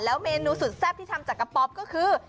เมนูสุดแซ่บที่ทำจากกระป๋อก็คือ